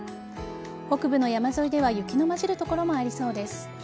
北部の山沿いでは雪の交じる所もありそうです。